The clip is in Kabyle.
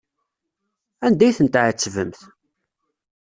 Anda ay tent-tɛettbemt?